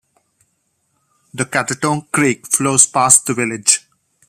The Catatonk Creek flows past the village.